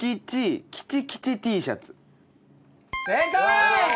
正解！